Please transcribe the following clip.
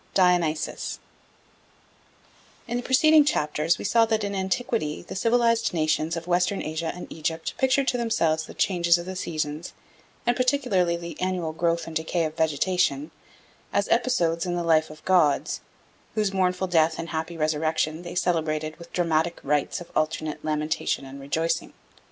Dionysus IN THE PRECEDING chapters we saw that in antiquity the civilised nations of Western Asia and Egypt pictured to themselves the changes of the seasons, and particularly the annual growth and decay of vegetation, as episodes in the life of gods, whose mournful death and happy resurrection they celebrated with dramatic rites of alternate lamentation and rejoicing.